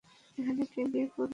এখানে কে বিয়ে করবে?